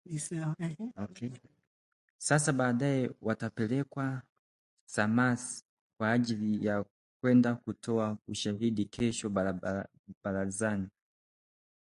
Sasa baadaye watapelekewa samansi kwa ajili ya kwenda kutoa ushahidi kesho barazani